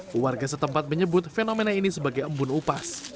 keluarga setempat menyebut fenomena ini sebagai embun upas